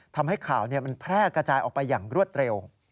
ทำให้ข่าวมันแพร่กระจายออกไปอย่างรวดเร็ว